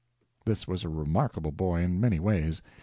This was a remarkable boy in many ways.